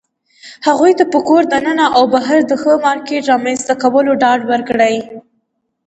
هغوى ته په کور دننه او بهر د ښه مارکيټ رامنځته کولو ډاډ ورکړى